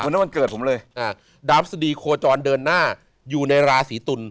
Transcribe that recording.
นั่นวันเกิดผมเลยดาวพฤษฎีโคจรเดินหน้าอยู่ในราศีตุล